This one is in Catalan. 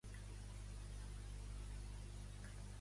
Què va passar en traspassar Deirdre?